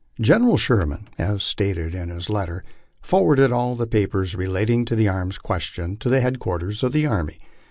General Sherman, as stated in his letter, forwarded all the papers relating to the arms question to the headquarters of the army.